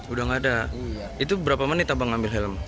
udah nggak ada itu berapa menit abang ambil helm